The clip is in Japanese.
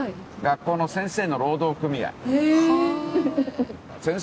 学校の先生の労働組合。